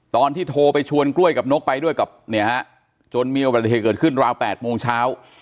ตอนที่โทรไปชวนกล้วยกับนกไปด้วยกับเนี่ยฮะจนมีอุบัติเหตุเกิดขึ้นราว๘โมงเช้า